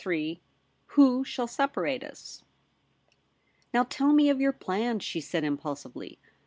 * WHO SHALL SEPARATE US ?' O W tell me of your plans,' she said impulsively.